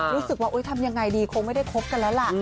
รู้สึกว่าทำยังไงดีคงไม่ได้คบกันแล้วล่ะ